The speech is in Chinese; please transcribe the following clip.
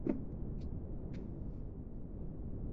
山棕为棕榈科桄榔属下的一个种。